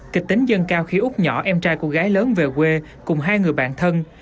kịch tính dân cao khi út nhỏ em trai của gái lớn về quê cùng hai người bạn thân